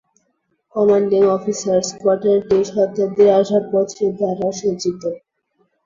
Commanding officers কোয়ার্টারটি শতাব্দীর আসবাবপত্র দ্বারা সজ্জিত।